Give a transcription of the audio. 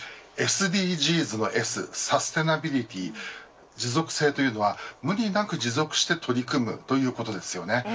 ＳＤＧｓのＳ、サスティナビリティー持続性とは無理なく持続して取り組むということですよね。